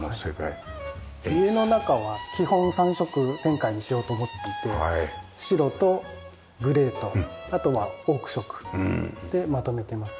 家の中は基本３色展開にしようと思っていて白とグレーとあとオーク色でまとめてます。